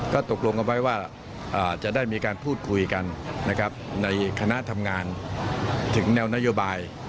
ก็ตกลงกันไว้ว่าจะได้มีการพูดคุยกันนะครับในคณะทำงานถึงแนวนโยบาย